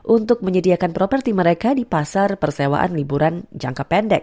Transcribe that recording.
untuk menyediakan properti mereka di pasar persewaan liburan jangka pendek